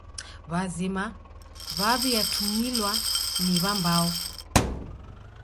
W'azima w'aw'iatumilwa ni w'ambao.